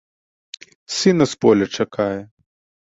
Сына з поля чакае.